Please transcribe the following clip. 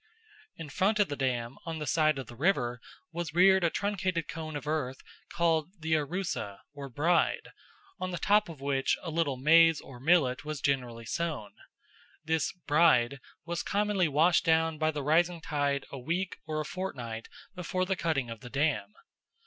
In front of the dam, on the side of the river, was reared a truncated cone of earth called the 'arooseh or "bride," on the top of which a little maize or millet was generally sown. This "bride" was commonly washed down by the rising tide a week or a fortnight before the cutting of the dam.